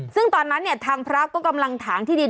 ซึ่งตอนนั้นเนี่ยทางพระก็กำลังถางที่ดิน